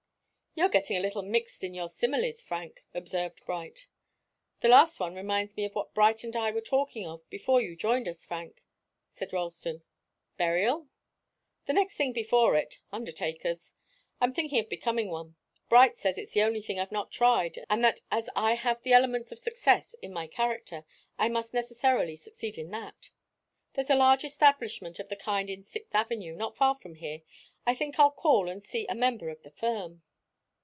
"You're getting a little mixed in your similes, Frank," observed Bright. "The last one reminds me of what Bright and I were talking of before you joined us, Frank," said Ralston. "Burial?" "The next thing before it undertakers. I'm thinking of becoming one. Bright says it's the only thing I've not tried, and that as I have the elements of success in my character, I must necessarily succeed in that. There's a large establishment of the kind in Sixth Avenue, not far from here. I think I'll call and see a member of the firm."